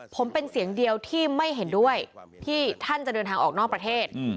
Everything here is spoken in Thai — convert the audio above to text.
ผมเป็นเสียงเดียวที่ไม่เห็นด้วยที่ท่านจะเดินทางออกนอกประเทศ